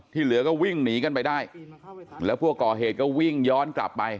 เหลือก็วิ่งหนีกันไปได้แล้วผู้ก่อเหตุก็วิ่งย้อนกลับไป